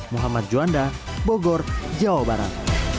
muhammad juanda bogor jawa barat